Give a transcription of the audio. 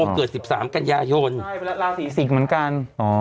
อ๋อเกิดสิบสามกัญญายนใช่แล้วลาสีสิงห์เหมือนกันอ๋อ